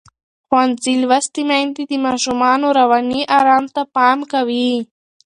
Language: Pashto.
ښوونځې لوستې میندې د ماشومانو رواني آرام ته پام کوي.